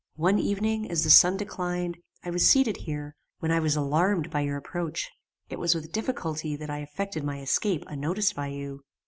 One evening, as the sun declined, I was seated here, when I was alarmed by your approach. It was with difficulty that I effected my escape unnoticed by you.